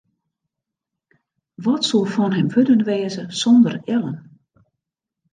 Wat soe fan him wurden wêze sonder Ellen?